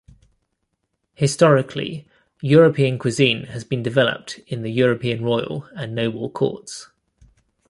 Historically, European cuisine has been developed in the European royal and noble courts.